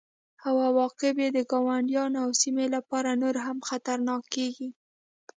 او عواقب یې د ګاونډیانو او سیمې لپاره نور هم خطرناکه کیږي